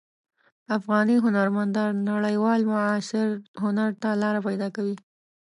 افغاني هنرمندان نړیوال معاصر هنر ته لاره پیدا کوي.